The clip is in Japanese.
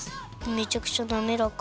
めちゃくちゃなめらか！